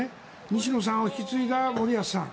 西野さんを引き継いだ森保さん。